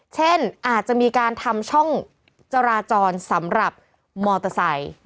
เช่นอาจจะมีการทำช่องจราจรสำหรับมอเตอร์ไซค์